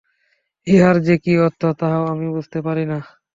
ইহার যে কি অর্থ, তাহাও আমি বুঝিতে পারি না।